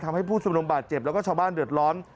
ทำให้ผู้ชมนุมบาดเจ็บแล้วก็ชาวบ้านเดือดร้อน